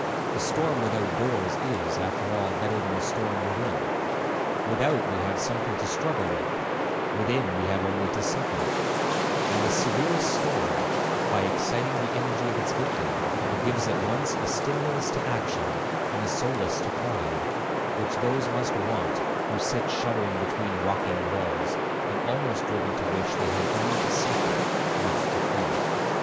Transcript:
A storm without doors is, after all, better than a storm within; without we have something to struggle with, within we have only to suffer; and the severest storm, by exciting the energy of its victim, gives at once a stimulus to action, and a solace to pride, which those must want who sit shuddering between rocking walls, and almost driven to wish they had only to suffer, not to fear.